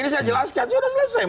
saya jelaskan sudah selesai